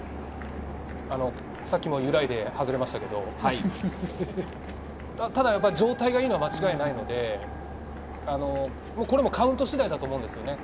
さっきも揺らいで外れましたけど、状態がいいのは間違いないので、これもカウント次第だと思うんですよね。